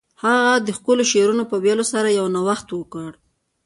هغه د ښکلو شعرونو په ویلو سره یو نوښت وکړ